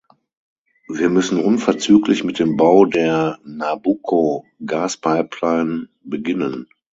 Wir müssen unverzüglich mit dem Bau der Nabucco-Gaspipeline beginnen.